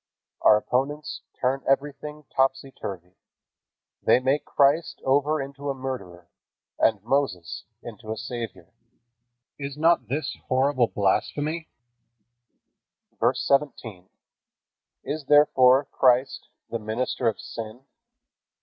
Our opponents turn everything topsy turvy. They make Christ over into a murderer, and Moses into a savior. Is not this horrible blasphemy? VERSE 17. Is therefore Christ the minister of sin?